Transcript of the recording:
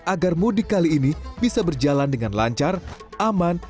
agar mudik kali ini bisa berjalan dengan lancar aman